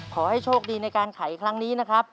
ขอให้โชคดีในการไขครั้งนี้นะครับ